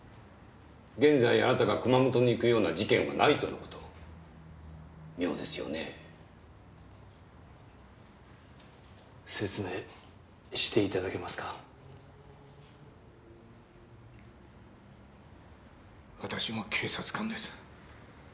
現在あなたが熊本に行くような事件はないとのこと妙ですよね説明して頂けますか私も警察官です